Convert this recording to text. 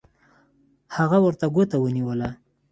هغه ورته ګوته ونیوله